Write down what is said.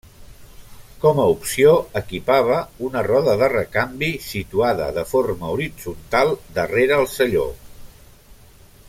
Com a opció, equipava una roda de recanvi, situada de forma horitzontal darrere el selló.